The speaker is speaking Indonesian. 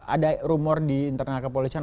ada rumor di internal kepolisian